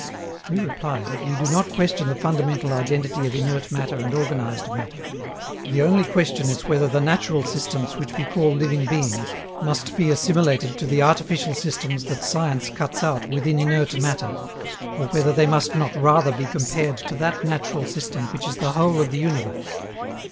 We reply that we do not question the fundamental identity of inert matter and organized matter. The only question is whether the natural systems which we call living beings must be assimilated to the artificial systems that science cuts out within inert matter, or whether they must not rather be compared to that natural system which is the whole of the universe.